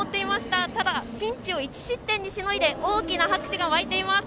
ただ、ピンチを１失点にしのいで大きな拍手が沸いています。